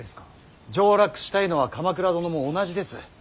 上洛したいのは鎌倉殿も同じです。